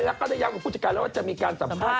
แล้วก็ได้ย้อนกับผู้จักรแล้วว่าจะมีการสัมภาษณ์กับนักข่าว